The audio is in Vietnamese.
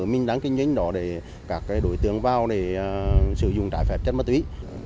mình đang kinh doanh đó để các đối tượng vào để sử dụng trái phép chất ma túy